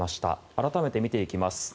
改めて見ていきます。